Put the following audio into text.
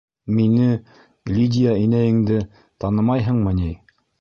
- Мине, Лидия инәйеңде, танымайһыңмы ни?!